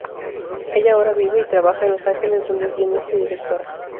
Ella ahora vive y trabaja en Los Ángeles donde es guionista y directora.